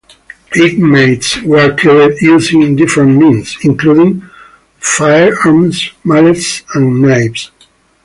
Inmates were killed using different means, including firearms, mallets and knives.